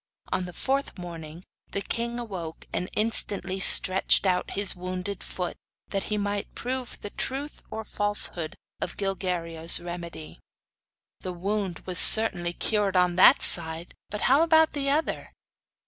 On the fourth morning the king awoke and instantly stretched out his wounded foot that he might prove the truth or falsehood of Gilguerillo's remedy. The wound was certainly cured on that side, but how about the other?